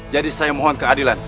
jadi saya mohon keadilan